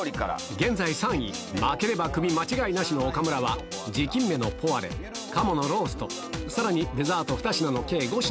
現在３位、負ければクビ間違いなしの岡村は、地金目のポワレ、鴨のロースト、さらにデザート２品の計５品。